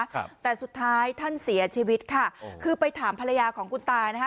ครับแต่สุดท้ายท่านเสียชีวิตค่ะคือไปถามภรรยาของคุณตานะคะ